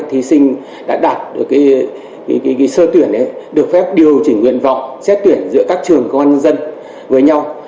thí sinh đã đạt được sơ tuyển được phép điều chỉnh nguyện vọng xét tuyển giữa các trường công an nhân dân với nhau